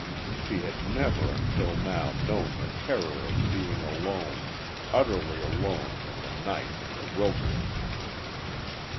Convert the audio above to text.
She had never until now known the terror of being alone, utterly alone in the night and the wilderness.